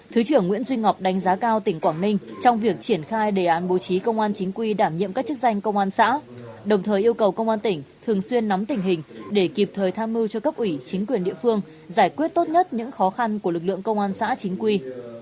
thứ trưởng nguyễn duy ngọc đánh giá cao tỉnh quảng ninh trong việc triển khai đề án bố trí công an chính quy đảm nhiệm các chức danh công an xã đồng thời yêu cầu công an tỉnh thường xuyên nắm tình hình để kịp thời tham mưu cho cấp ủy chính quyền địa phương giải quyết tốt nhất những khó khăn của lực lượng công an xã chính quy